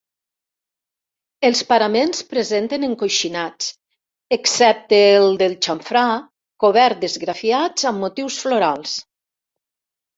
Els paraments presenten encoixinats, excepte el del xamfrà, cobert d'esgrafiats amb motius florals.